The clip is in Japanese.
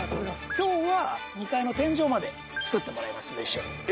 きょうは２階の天井まで作ってもらいますんで、一緒に。